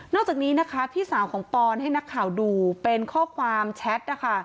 จากนี้นะคะพี่สาวของปอนให้นักข่าวดูเป็นข้อความแชทนะคะ